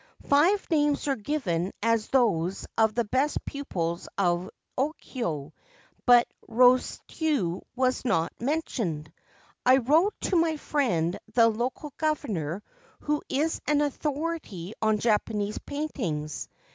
Five names were given as those of the best pupils of Okyo ; but Rosetsu was not mentioned. I wrote to my friend the Local Governor, who is an authority on Japanese paintings.